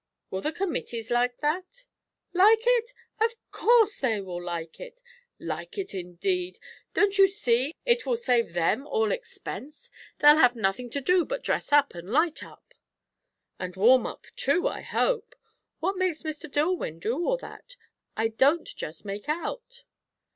"Will the committees like that?" "Like it? Of course they will! Like it, indeed! Don't you see it will save them all expense? They'll have nothing to do but dress up and light up." "And warm up too, I hope. What makes Mr. Dillwyn do all that? I don't just make out."